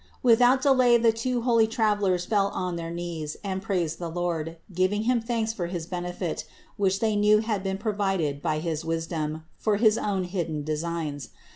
Without delay the two holy travelers fell on their 393 394 CITY OF GOD knees and praised the Lord, giving Him thanks for his benefit, which they knew had been provided by his wis dom for his own hidden designs.